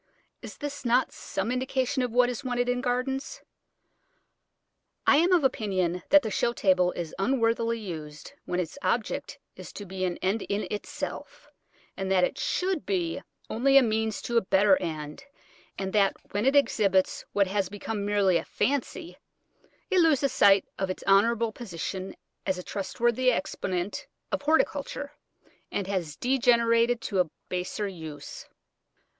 Is not this some indication of what is wanted in gardens? I am of opinion that the show table is unworthily used when its object is to be an end in itself, and that it should be only a means to a better end, and that when it exhibits what has become merely a "fancy," it loses sight of its honourable position as a trustworthy exponent of horticulture, and has degenerated to a baser use.